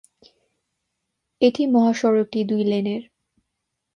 এটি মহাসড়কটি দুই লেনের।